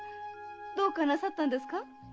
どうかなさったんですか？